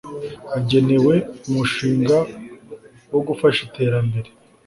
agenewe umushinga wo gufasha iterambere